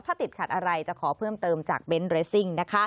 ถ้าติดขัดอะไรจะขอเพิ่มเติมจากเบนท์เรซิ่ง